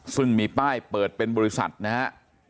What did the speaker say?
ซึ่งมีป้ายเปิดเป็นบริษัทนะฮะ